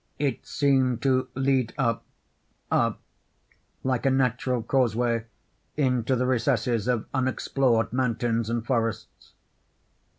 It seemed to lead up, up like a natural causeway, into the recesses of unexplored mountains and forests.